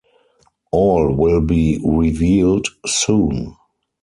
All will be revealed soon.